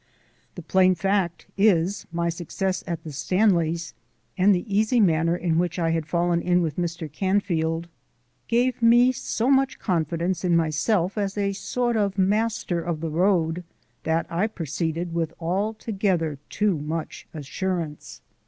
The plain fact is, my success at the Stanleys', and the easy manner in which I had fallen in with Mr. Canfield, gave me so much confidence in myself as a sort of Master of the Road that I proceeded with altogether too much assurance.